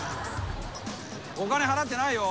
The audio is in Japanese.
お金払ってないよ。